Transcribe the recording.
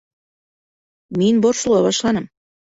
Мин борсола башланым.